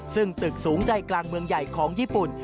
ซึ่งตึกสูงใจกลางเมืองใหญ่ของญี่ปุ่น